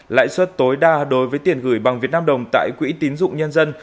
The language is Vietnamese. lãi suất tối đa đối với tiền gửi bằng việt nam đồng tại quỹ tín dụng nhân dân